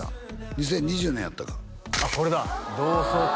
２０２０年やったかあっこれだ同窓会